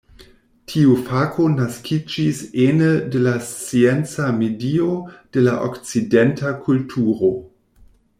Tiu fako naskiĝis ene de la scienca medio de la okcidenta kulturo.